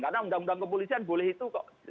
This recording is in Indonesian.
karena undang undang kepolisian boleh itu kok